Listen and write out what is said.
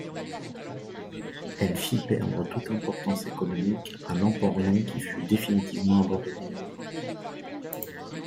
Elle fit perdre toute importance économique à l'emporion qui fut définitivement abandonné.